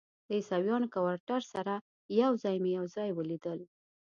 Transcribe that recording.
د عیسویانو کوارټر سره یو ځای مې یو ځای ولیدل.